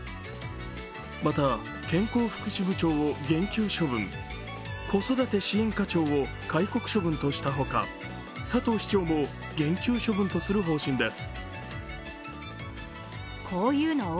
また健康福祉部長を減給処分、子育て支援課長を戒告処分としたほか佐藤市長も減給処分とする方針です。